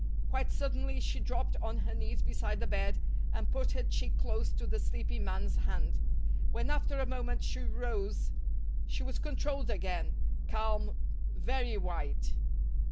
Quite suddenly she dropped on her knees beside the bed, and put her cheek close to the sleeping man's hand. When after a moment she rose, she was controlled again, calm, very white.